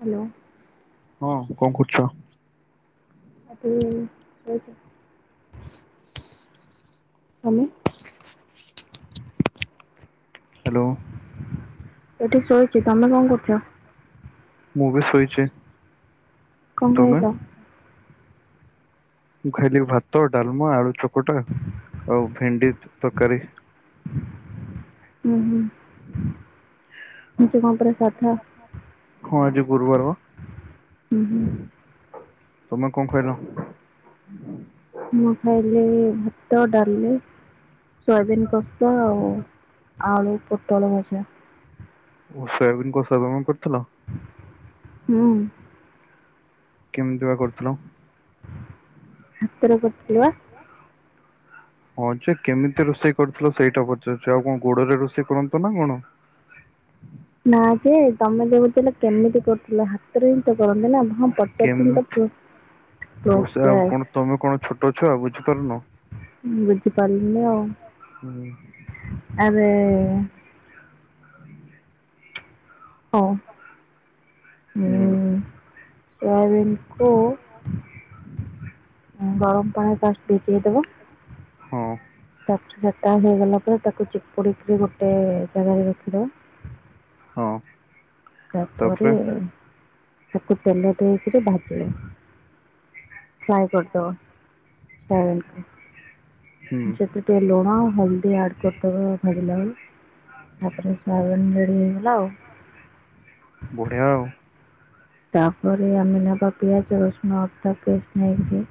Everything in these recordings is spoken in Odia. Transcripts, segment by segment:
ହ୍ୟାଲୋ। ହଁ କଁ କରୁଛ ହୁଁ କନ କରୁଛ [inaudible] ତମେ। ହ୍ୟାଲୋ। ଏଠି ସୋଇ ମୁଁ ବି ଶୋଇଚେ। କଁ ଖାଇଲ? ମୁଁ ଖାଇଲି ଭାତ ଡାଲ୍ମା ଆଳୁ ଚକଟା ଆଉ ଭେଣ୍ଡି ତ ତକାରୀ। ଉଁ ହୁଁ ଆଜି କଁ ପରା ସାଧା? ହଁ ଆଜି ଗୁରୁବାର ବା। ଉଁ ହୁଁ। ତମେ କଁ ଖାଇଲ? ମୁଁ ଖାଇଲି ଭାତ ଡାଲି ସୋୟାବିନ୍ କଷା ଆଉ ଆଳୁ ପୋଟଳ ଭଜା। ଓ ସୋୟାବିନ୍ କଷା ତମେ କରିଥିଲ? ହୁଁ। କେମ୍ ତି ବା କରିଥିଲ? ହାତରେ କରିଥିଲି ଵା। ହଁ ଯେ କେମିତି ରୋଷେଇ କରିଥିଲ ସେଇଟା ପଚାରୁଚି ଆଉ କଣ ଗୋଡରେ ରୋଷେଇ କରନ୍ତ ନା କଣ। ନା ଯେ ତମେ ଯଉ କଉଥିଲ କେମିତି କରୁଥିଲ ହାତରେ ହିଁ ତ କରନ୍ତି ନା। ହଁ ପଚାରୁଥିଲି ତ [inaudible] ପୋସା [inaudible] ଆଉ ପ୍ରୋସେସ କଣ ତମେ କଣ ଛୋଟ ଛୁଆ ବୁଝିପାରୁନ ବୁଝି ପାର୍ ଲିନି ହୁଁ ଆଉ ଆରେ ହଁ ହୁଁ ସୋୟାବିନ୍ କୋ ଗରମ ପାଣିରେ ଫାଷ୍ଟ୍ ଭିଜେଇଦବ ହଁ। ତା ପରେ ସେଟା ହେଇଗଲା ପରେ ତାକୁ ଚୁପୁଡିକି ଗୋଟେ ଜାଗାରେ ରଖିଦବା ହଁ। ତାପରେ ତାକୁ ତେଲ ଦେଇକିରି ଭାଜିବ ଫ୍ରାଏ କରିଦବ ସୋୟାବିନ୍ କୁ ହୁଁ ସେଥିରେ ଟିକେ ଲୁଣ ହଳ୍ ଦି ଆଡ୍ କରିଦବ ଭଜିଲା ବେଳେ ତାପରେ ସୋୟାବିନ୍ ରେଡ଼ି ହେଇଗଲା ଆଉ। ବଢିଆ ଆଉ। ତାପରେ ଆମେ ନବା ପିଆଜ ରସୁଣ ଅଦା ପେଷ୍ଟ୍ ନେଇକି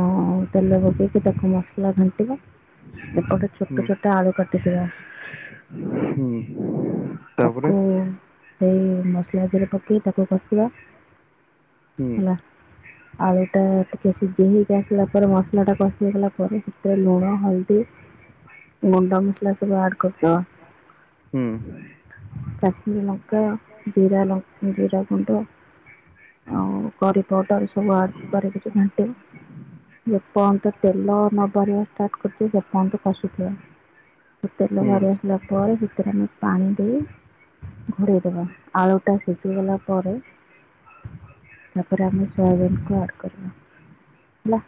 ହଁ ଆଉ ତେଲ ପକେଇକି ତାକୁ ମସଲା ଘାଣ୍ଟିବା ଏପଟେ ହୁଁ ଛୋଟ ଛୋଟ ଆଳୁ କାଟିଥିବା ହୁଁ। [unintelligible] ତାକୁ ସେଇ ମସଲାଥିରେ ପକାଇ ତାକୁ କଷିବା। ହୁଁ ହେଲା ଆଳୁ ଟା ଟିକେ ସିଜି ହେଇକି ଆସିଲା ପରେ ମସଲା ଟା କଶି ହେଇଗଲା ପରେ ପରେ ସେଥିରେ ଲୁଣ ହଳଦୀ ଗୁଣ୍ଡ ମସଲା ସବୁ ଆଡ କରିଦବ। ହୁଁ। କାଶ୍ମୀରୀ ଲଙ୍କା ଜିରା ଲ ଜିରା ଗୁଣ୍ଡ ଆଉ କରିପୌଡର ସବୁ ଆଡ଼ କରିକି ଘାଣ୍ଟିବ। ଯେପର୍ଯ୍ୟନ୍ତ ତେଲ ନବହାରିବା ଷ୍ଟାର୍ଟ କରିଚି ସେପର୍ଯ୍ୟନ୍ତ କଷୁଥିବେ। ତେଲ ହୁଁ ବାହାରି ଆସିଲା ପରେ ସେତିରେ ଆମେ ପାଣି ଦେଇ ଦେଇ ଦେଵା ଆଳୁ ଟା ସିଝିଗଲା ପରେ ତାପରେ ଆମେ ସୋୟାବିନ କୁ ଆଡ କରିବା ହେଲା?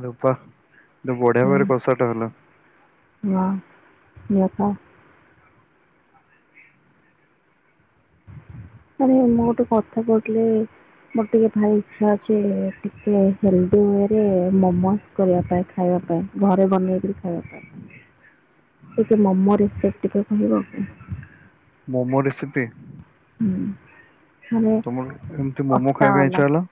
ଆରେ ବା ବଢିଆ ଭାବରେ କଷଟା ହେଲା। ହଁ [unintelligible] ଆରେ ମୁଁ ଗୋଟେ କଥା କହୁଥିଲି? ମୋର ଟିକେ ଭାରି ଇଚ୍ଛା ଅଛି ଟିକେ ହେଲ୍ଦି ୱେରେ ମୋମୋଜ କରିବା ପାଇଁ ଖାଇବା ପାଇଁ ଘରେ ବନେଇକିରି ଖାଇବା ପାଇଁ। ଟିକେ ମୋମୋ ରେସିପ୍ ଟିକେ କହିବ କି? ମୋମୋ ରେସିପି? ହୁଁ। ମାନେ ତମର କେମିତି ମୋମୋ ଅଟା ଖାଇବା ପାଇଁ ବାଲା ଇଛା ହେଲା?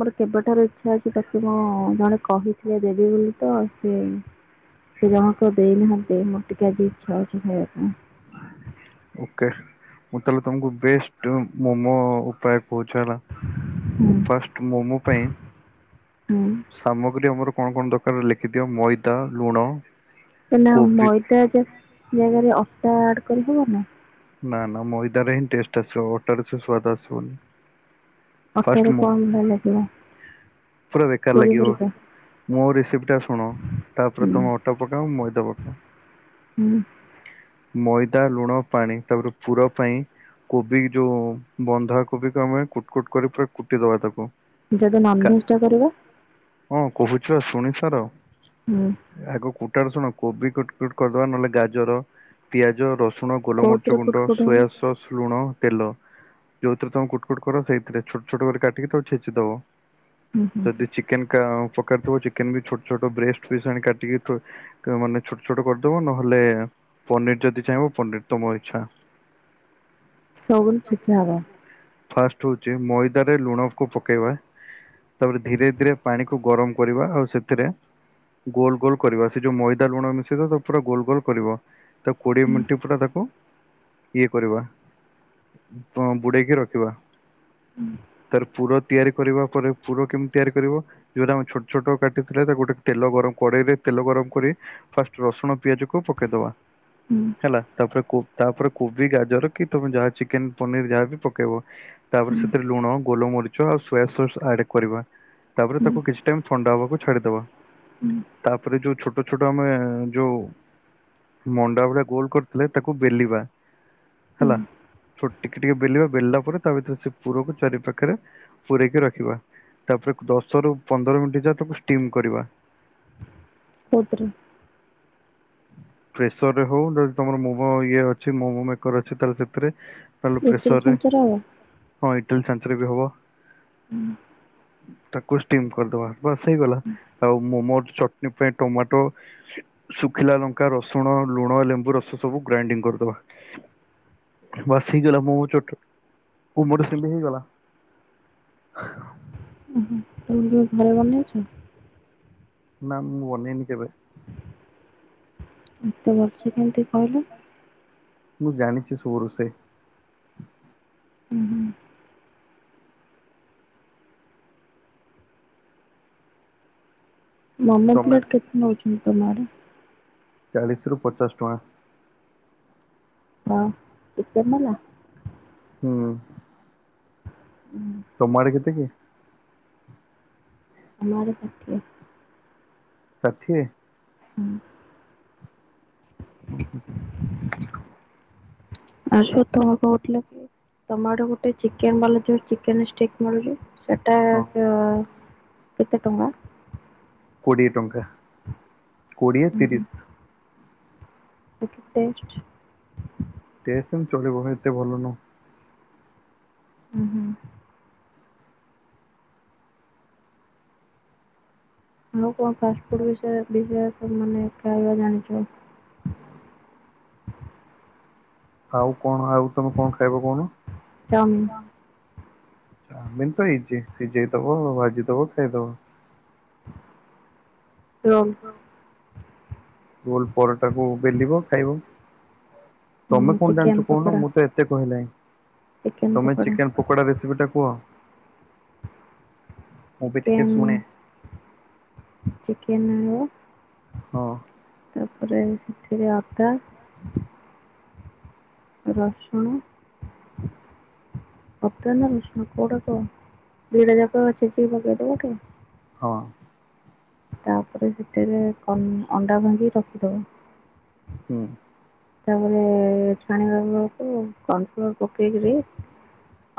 ମୋର କେବେଠାରୁ ଇଚ୍ଛା ଅଛି ପ୍ରତେ ମୁଁ ଜଣେ କହିଥିଲେ ଦେବି ବୋଲି ତ ସେ ସେ ଜଣକ ଦେଇନାହାନ୍ତି ମୋର ଟିକେ ଆଜି ଇଛା ଅଛି ଖାଇବା ପାଇଁ। ଓକେ ମୁଁ ତାହଲେ ତମକୁ ବେଷ୍ଟ ମୋମୋ ଉପାୟ କହୁଛି ହେଲା ହୁଁ ଫାଷ୍ଟ ମୋମୋ ପାଇଁ ହୁଁ ସାମଗ୍ରୀ ଆମର କଣ କଣ ଦରକାର ଲେଖିଦିଅ ମଇଦା ଲୁଣ ନାଁ ନାଁ କୋବି ମଇଦା ଜାଗାରେ ଅଟା ଆଡ କରିହବ ନା? ନା ନା ମଇଦାରେ ହିଁ ଟେଷ୍ଟ ଆସିବ ଅଟାରେ ସେ ସ୍ଵାଦ ଆସିବନି। ଫାଷ୍ଟ ଅଟାରେ ମୁଁ କଣ [unintelligible] ଲାଗିଲା? ପୁରା ବେକାର ଲାଗିବ। ମୋ ରେସିପଟ ଟା ଶୁଣ ହୁଁ ତାପରେ ତମେ ଅଟୋ ପକାଅ ମଇଦା ପକାଅ ହୁଁ। ମଇଦା ଲୁଣ ପାଣି ତାପରେ ପୁର ପାଇଁ କୋବି ଯୋଉ ବନ୍ଧା କୋବିକୁ ଆମେ କୁଟ କୁଟ କରି ପୁରା କୁଟିଦବା ତାକୁ। ଯଦି ଗା ନନଭେଜ ଟା କରିବା? ହଁ କହୁଛିପା ଶୁଣି ସାର ହୁଁ ଆଗକୁ କଟ ଶୁଣ କୋବି କଟ କଟ କରିଦବା ନହେଲେ ଗାଜର ପିଆଜ ରସୁଣ ଗୋଲମରିଚ୍ଚ କୋଉଥିରେ କୁଟ ଗୁଣ୍ଡ କୁଟ ହବ ସୋୟା ସସ୍ ଲୁଣ ତେଲ ଯୋଉଥିରେ ତମକୁ କୁଟକୁଟ କର ସେଇଥିରେ ଛୋଟ ଛୋଟ କରି କାଟିକି ତାକୁ ଛେଚିଦବ। ହୁଁ ହୁଁ ଯଦି ଚିକେନ ପକିଥିବ ଚିକେନ ବି ଛୋଟ ଛୋଟ ବ୍ରେଷ୍ଟ ପିସ୍ ଆଣି କାଟିକି। ମାନେ ଛୋଟ ଛୋଟ କରିଦବ ନହେଲେ ପନିର ଯଦି ଚାହିଁବ ପନିର ତମ ଇଛା। ସବୁ ଛେଚା ହବ। ଫାଷ୍ଟ ହଉଛି ମଇଦାରେ ଲୁଣ କୁ ପକେଇବା। ତାପରେ ଧୀରେ ଧୀରେ ପାଣିକୁ ଗରମ କରିବା ଆଉ ସେଥିରେ ଗୋଲ ଗୋଲ କରିବା ସେ ଯୋଉ ମଇଦା ଲୁଣ ମିଶେଇ ତା ପୁରା ଗୋଲ ଗୋଲ କରିବା ତା କୋଡିଏ ହୁଁ ମିନିଟ୍ ପୁରା ତାକୁ କୁ ଇଏ କରିବା ବୁଡେଇକି ରଖିବା। ତାର ପୁର ତିଆରି କରିବା ପରେ ପୁର କେମ୍ ତିଆରି କରିବ? ଯୋଉଟା ଆମେ ଛୋଟ୍ ଛୋଟ କାଟିଥିଲେ ତାକୁ ଗୋଟେ ତେଲ ଗରମ୍ କଡ଼େଇରେ ତେଲ ଗରମ୍ କରି ଫାଷ୍ଟ ରସୁଣ ପିଆଜ କୁ ପକେଇଦବା। ହୁଁ। ହେଲା ତାପରେ କୋ ତାପରେ କୋବି, ଗାଜର କି ତମେ ଯାହା ଚିକେନ୍, ପନିର୍ ଯାହା ବି ପକେଇବ। ତାପରେ ହୁଁ ସେଥେରେ ଲୁଣ, ଗୋଲମରିଚ ଆଉ ସୋୟା ସସ୍ ଆଡ କରିବା ତାପରେ ହୁଁ ତାକୁ କିଛି ଟାଇମ୍ ଥଣ୍ଡା ହବାକୁ ଛାଡ଼ିଦବା। ହୁଁ ତାପରେ ଯୋଉ ଛୋଟ ଛୋଟ ଆମେ ଯୋଉ ମଣ୍ଡା ଭଳିଆ ଗୋଲ କରି ଥିଲେ ତାକୁ ବେଲିବା ହୁଁ ହେଲା। ଛୋ ଟିକ୍ ଟିକ୍ ବେଲିବା ବେଲିଲା ପରେ ତା ଭିତେରେ ସେ ପୁରକୁ ଚାରି ପାଖେରେ ପୂରେଇକି ରଖିବା। ତାପରେ ଦଶ ରୁ ପନ୍ଦର ମିଣ୍ଟି ଯାଏ ତାକୁ ଷ୍ଟିମ୍ କରିବା। କୋଉଥେରେ? ପ୍ରେସର୍ ରେ ହଉ ଯଦି ତମର ମୁହଁ ଇଏ ଅଛି ମୋମୋ ମେକର୍ ଅଛି ତାହେଲେ ସେଥେରେ। ତାହେଲେ ଇଟିଲି ପ୍ରେସରରେ ଛାଞ୍ଚରେ ହବ? ହଁ ଇଟିଲ୍ ଚାଞ୍ଚରେ ବି ହବ। ତାକୁ ଷ୍ଟିମ୍ କରିଦବା ବାସ୍ ହେଇଗଲା, ଆଉ ମୋମୋ ଚଟନୀ ପାଇଁ ଟମାଟୋ ଶୁଖିଲା ଲଙ୍କା, ରସୁଣ, ଲୁଣ, ଲେମ୍ବୁ ରସ ସବୁ ଗ୍ରାଇଣ୍ଡିଙ୍ଗ କରିଦବା। ବାସ୍ ହେଇଗଲା ମୋମୋ ଚଟ୍ ମୋମୋ [unintelligible] ହେଇଗଲା। ଉଁ ହୁଁ। ତମେ କେବେ ଘରେ ବନେଇଛ? ନା ମୁଁ ବନେଇନି କେବେ। ଏତେ ଭଲ୍ ସେ କେମିତି କହିଲ? ମୁଁ ଜାଣିଚି ସବୁ ରୋଷେଇ। ଉଁ ହୁଁ। ମମ୍ ମମ୍ ତମେ ପ୍ଲେଟ୍ କେତ୍ ନଉଛନ୍ତି ତମ ଆଡେ? ଚାଳିଶ ରୁ ପଚାଶ ଟଆଁ। ହ ଏତେ ମଲା। ହୁଁଉଁ। ହୁଁ। ତମଆଡେ କେତେ କି? ଆମ ଆଡେ ଷାଠିଏ। ଷାଠିଏ। ହୁଁ। ଉଁ ହୁଁ। ଆଙ୍କୁ ତମେ କହୁଥିଲକି ତମ ଆଡେ ଗୋଟେ ଚିକେନ୍ ବାଲା ଯୋଉ ଚିକେନେ ଷ୍ଟିକ୍ ମିଳୁଚି। ସେଟା ହଁ କିଅଁ କେତେ ଟଙ୍କା? କୋଡ଼ିଏ ଟଙ୍କା, କୋଡ଼ିଏ, ତିରିଶ। କି ଟେଷ୍ଟ! ଟେଷ୍ଟ ସେମ୍ ଚଳିବ କାଇଁ ଏତେ ଭଲ ନୁହଁ। ହୁଁ ହୁଁ। ମୁଁ କଁ ଫାଷ୍ଟଫୁଡ୍ ବିଷୟରେ ଅଧିକା ମାନେ ଖାଇବା ଜାଣିଛି? ଆଉ କଣ ଆଉ ତମେ କଁ ଖାଇବ କହୁନ, ଚାଉମିିନ, କଣ? ମେନ୍ ତ ଇଜି ସିଜେଇ ଦବ ଭାଜି ଦବ ଖାଇଦବ। ରୋଲ ରୋଲ ପରଟାକୁ ବେଲିବ ଖାଇବ। ତମେ କଣ ଚିକେନ ଜାଣିଛ କହୁନ ପକୋଡା, ମୁଁ ତ ଏତେ କହିଲଣିି ଚିକେନ ତମେ ପକୋଡା, ଚିକେନ୍ ପକୋଡ଼ା ରେ ରେସିପିଟା କୁହ ମୁଁ ବି ଟିକେ ଶୁଣେ? ଚିକେନ୍ ନିଅ ହଁ। ତାପରେ ସେଥିରେ ଅଦା ରସୁଣ। ଦିଟା ଯାକ ଛେଚିକି ପକେଇ ଦବା କି? ହଁ। ତାପରେ ସେଥିରେ କଁ ଅଣ୍ଡା ଭାଙ୍ଗିକି ରଖିଦବ। ହୁଁ। ତାପରେ ଛାଣିବା ବେଳକୁ କନ୍ଫ୍ଲୋର ପକେଇକିରି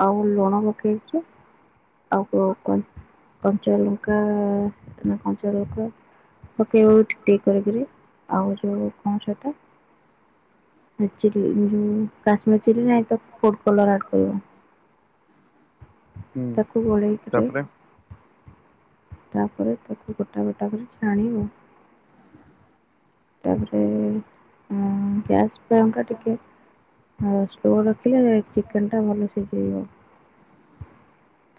ଆଉ ଲୁଣ ପକେଇକି ଓ ହୋ କ କଞ୍ଚାଲଙ୍କା ଯୋଉ କଞ୍ଚା ଲଙ୍କା ପକାଇବ ଟିକ୍ ଟିକ୍ କରିକିରି ଆଉ ଯୋଉ କଣ ସେଟା ଚିଲି କାଶ୍ମୀର ଚିଲି ନାହିଁ ତ ଫୁଡ୍ କଲର ଆଡ୍ କରିବ ହୁଁ ତାକୁ ଗୋଳେଇକିରି ତାପରେ ତାପରେ ତାକୁ ଗୋଟା ଗୋଟା କରି ଛାଣିବ। ତାପରେ ମୁଁ ଗ୍ୟାସ୍ [unintelligible] ଟିକେ ହଁ ସ୍ଲୋ ରଖିଲେ ଚିକେନ୍ ଟା ଭଲ ସି [unintelligible]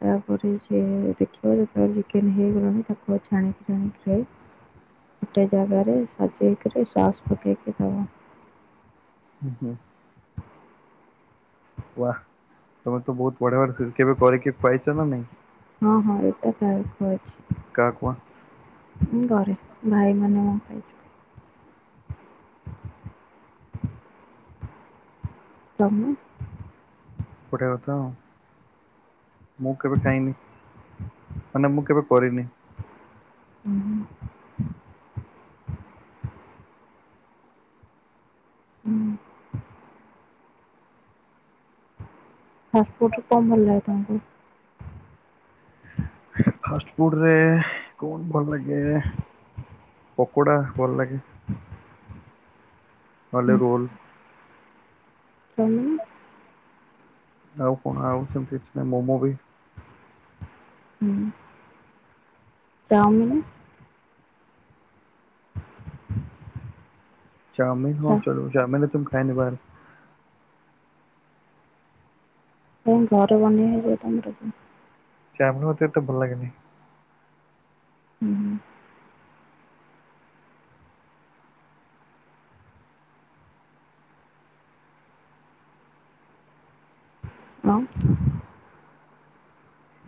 ତାପରେ ସିଏ ଦେଖିବା ଯେତେବେଳେ ଚିକେନ୍ ହେଇଗଲାଣି ତାକୁ [unintelligible] ଗୋଟେ ଜାଗାରେ ସଜେଇକିରି ସସ୍ ପକେଇକି ଦବ। ହୁଁ ହୁଁ। ୱାହା ତମେ ତ ବହୁତ [unintelligible] କେବେ କରିକି ଖୁଆଇଛ ନା ନାଇଁ? ହଁ ହଁ ଏଇଟା ଖା ଖୁଆଇଛି। କାହାକୁ [unintelligible] ତମେ ପରେ କଥା ଆଉ। ମୁଁ କେବେ ଖାଇନି ମାନେ ମୁଁ କେବେ କରିନି। ହୁଁ ହୁଁ। ହୁଁ। ଫାଷ୍ଟ ଫୁଡ୍ ରେ କଣ ଭଲ ଲାଗେ ତାଙ୍କୁ? ଫାଷ୍ଟ ଫୁଡ୍ ରେ କଣ ଭଲ ଲାଗେ? ପକୋଡ଼ା ଭଲ ଲାଗେ। [inaudible] ନହଲେ ରୋଲ୍। [unintelligible] ଆଉ କଣ ଆଉ ସେମିତି କିଛି ନାଇ ମୋମୋ ବି ହୁଁ। ଚାଉମିିନି? ଚାଉମିନ୍ ହଁ ଆଛା ଚଲିବ ଚାଉମିନ୍ ଏତେ ମୁଁ ଖାଏନି ବାହାରେ। କଣ ଘରେ ବନେଇ ହେଇଯିବ ତମର? ଚଉମିନ୍ ମତେ ଏତେ ଭଲ ଲାଗେନି। [unintelligible]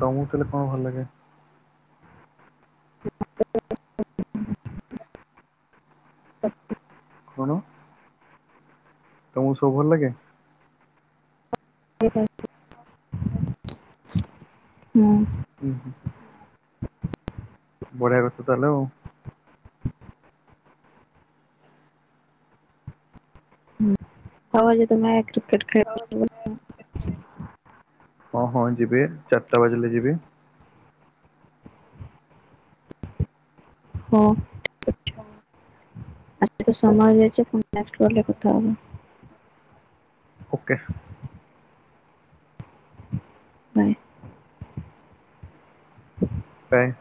ତୋମକୁ ତାହେଲେ କଣ ଭଲ ଲାଗେ? [inaudible] [inaudible] କଣ? ତମକୁ ସବୁ ଭଲ ଲାଗେ? [inaudible] ହୁଁ ଉଁ, ହୁଁ। ବଢିଆ କଥା ତାହେଲେ ଆଉ। ହୁଁ, ଆଉ ଆଜି ତୁମେ କ୍ରୀକେଟ୍ ଖେଳିବା [inaudible] ହଁ ହଁ ଯିବେ, ଚାରିଟା ବାଜିଲେ ଯିବେ। ହଁ! ଏବେ ହଉ ସମୟ ହେଇ ଯାଇଛି ପୁଣି ନେକ୍ସଟ୍ କଲରେ କଥା ହେବା। ଓକେ। ନାହିଁ। କାଇଁ